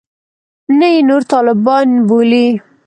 نه یې نور طالبان بولي.